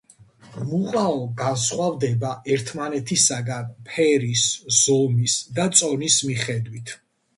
მუყაო განსხვავდება ერთმანეთისაგან ფერის, ზომის და წონის მიხედვით.